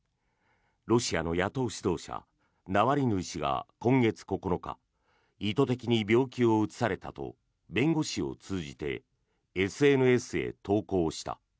ロシアの野党指導者ナワリヌイ氏が今月９日意図的に病気をうつされたと弁護士を通じてＳＮＳへ投稿した。